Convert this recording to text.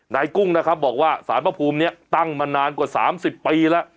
กุ้งนะครับบอกว่าสารพระภูมินี้ตั้งมานานกว่า๓๐ปีแล้ว